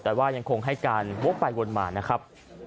แต่ว่ายังคงให้การวกไปวนมานะครับ